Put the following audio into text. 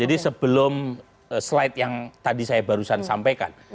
sebelum slide yang tadi saya barusan sampaikan